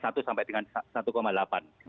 satu sampai dengan satu delapan